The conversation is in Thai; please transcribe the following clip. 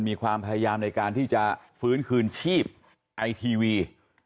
มีความพยายามในการที่จะฟื้นคืนชีพไอทีวี